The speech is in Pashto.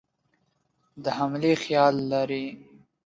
د حملې خیال لري.